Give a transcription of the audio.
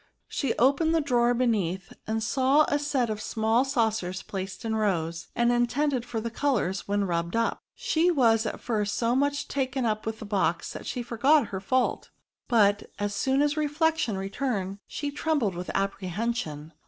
She opened a drawer beneath, and saw a set of small saucers placed in rows, and intended for the colours when rubbed up. She was at first so much taken up with the box that she forgot her fault ; but, as soon as reflection returned, she trembled with apprehension.